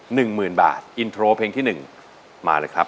หนึ่งหมื่นบาทอินโทรเพลงที่หนึ่งมาเลยครับ